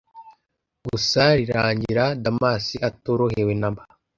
gusa rirangira damas atorohewe namba,